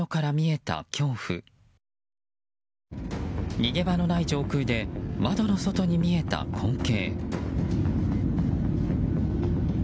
逃げ場のない上空で窓の外に見えた光景。